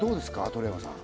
通山さん